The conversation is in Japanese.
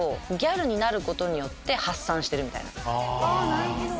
なるほど。